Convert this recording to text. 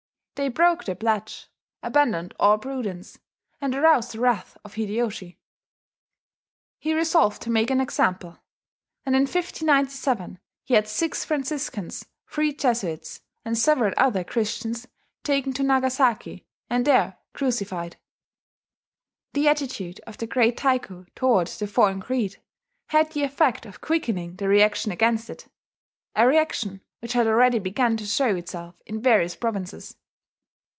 They broke their pledge, abandoned all prudence, and aroused the wrath of Hideyoshi. He resolved to make an example; and in 1597 he had six Franciscans, three Jesuits, and several other Christians taken to Nagasaki and there crucified. The attitude of the great Taiko toward the foreign creed had the effect of quickening the reaction against it, a reaction which had already begun to show itself in various provinces.